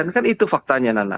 kan itu faktanya nanda